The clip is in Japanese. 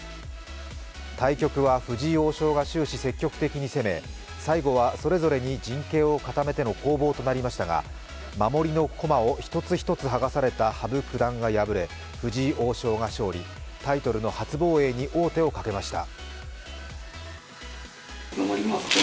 対局は藤井王将が終始積極的に攻め、最後はそれぞれに陣形を固めての攻防となりましたが守りの駒を１つ１つはがされた羽生九段が敗れ藤井王将が勝利、タイトルの初防衛に王手をかけました。